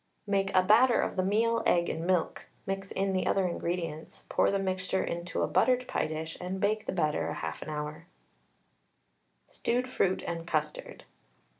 Make a batter of the meal, egg, and milk, mix in the other ingredients, pour the mixture into a buttered pie dish, and bake the batter 1/2 hour. STEWED FRUIT AND CUSTARD.